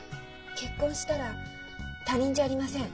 結婚したら他人じゃありません。